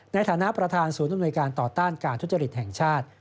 ในฐานะประธานศูนย์อำนวยการต่อต้านการทุจริตแห่งชาติ